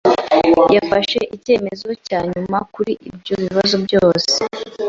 Yafashe icyemezo cya nyuma kuri ibyo bibazo byose.